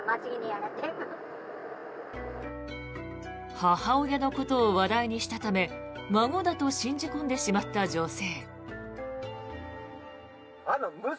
母親のことを話題にしたため孫だと信じ込んでしまった女性。